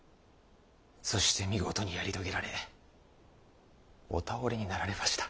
そして見事にやり遂げられお倒れになられました。